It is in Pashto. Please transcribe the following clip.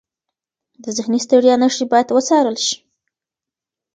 د ذهني ستړیا نښې باید وڅارل شي.